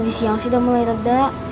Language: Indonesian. di siang sih udah mulai reda